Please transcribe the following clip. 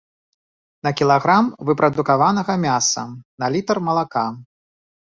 На кілаграм выпрадукаванага мяса, на літр малака.